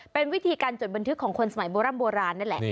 เป็นวิธีการจดบันทึกของคนสมัยโบร่ำโบราณนั่นแหละ